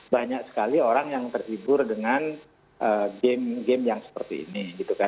banyak sekali orang yang terhibur dengan game game yang seperti ini